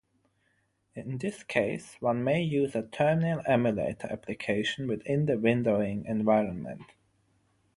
In this case, one may use a terminal emulator application within the windowing environment.